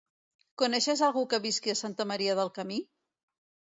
Coneixes algú que visqui a Santa Maria del Camí?